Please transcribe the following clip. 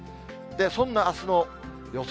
そんなあすの予想